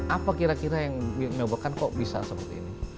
apa kira kira yang menyebabkan kok bisa seperti ini